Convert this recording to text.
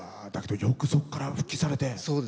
よくそこから復帰されて。